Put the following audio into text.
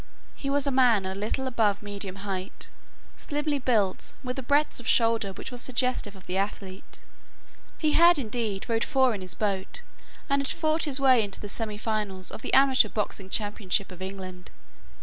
He was a man a little above medium height, slimly built, with a breadth of shoulder which was suggestive of the athlete. He had indeed rowed 4 in his boat, and had fought his way into the semi finals of the amateur boxing championship of England.